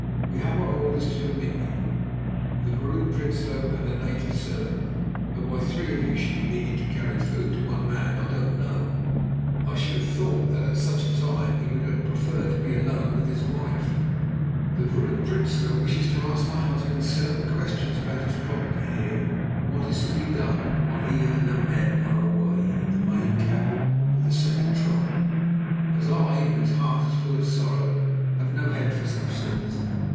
"We have our orders to admit you, the Vrouw Prinsloo and the native servant, though why three of you should be needed to carry food to one man, I don't know. I should have thought that at such a time he would have preferred to be alone with his wife." "The Vrouw Prinsloo wishes to ask my husband certain questions about his property here and what is to be done while he and her men are away at the main camp for the second trial, as I, whose heart is full of sorrow, have no head for such things.